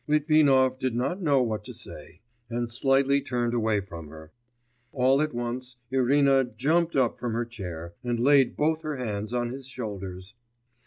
Litvinov did not know what to say, and slightly turned away from her. All at once Irina jumped up from her chair, and laid both her hands on his shoulders.